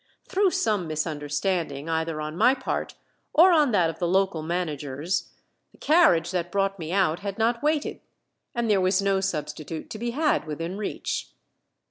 Through some misunderstanding either on my part or on that of the local managers, the carriage that brought me out had not waited, and there was no substitute to be had within reach.